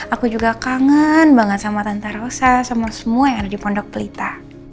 aku juga kangen banget sama tanta rosa sama semua yang ada di pondok pelita